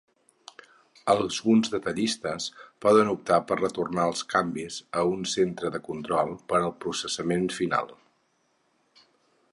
Alguns detallistes poden optar per retornar els canvis a un centre de control per al processament final.